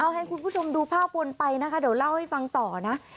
ให้คุณผู้ชมดูภาพวนไปนะคะเดี๋ยวเล่าให้ฟังต่อนะ